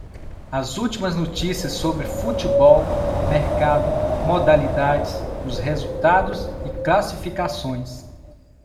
As últimas notícias sobre Futebol, mercado, modalidades, os resultados e classificações.